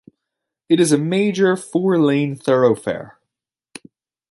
It is a major four-lane thoroughfare.